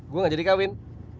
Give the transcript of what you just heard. gue gak jadi kawin